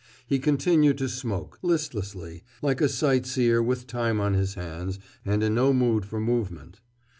He continued to smoke, listlessly, like a sightseer with time on his hands and in no mood for movement.